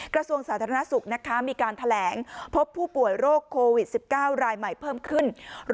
กระทรวงสาธารณสุขมีการแถลงพบผู้ป่วยโรคโควิด๑๙รายใหม่เพิ่มขึ้น